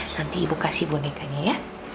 nanti ibu kasih bonekanya ya